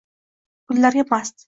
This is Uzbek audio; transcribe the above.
Gullarga mast